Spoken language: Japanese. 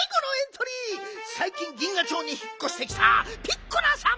さいきん銀河町にひっこしてきたピッコラさん。